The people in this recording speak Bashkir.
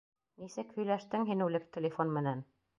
Нисек һөйләштең һин үлек телефон менән?